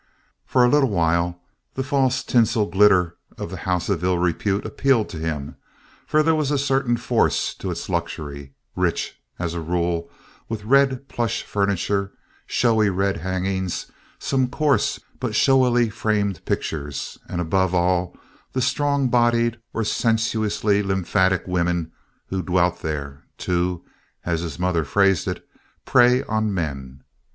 For a little while, the false tinsel glitter of the house of ill repute appealed to him, for there was a certain force to its luxury—rich, as a rule, with red plush furniture, showy red hangings, some coarse but showily framed pictures, and, above all, the strong bodied or sensuously lymphatic women who dwelt there, to (as his mother phrased it) prey on men.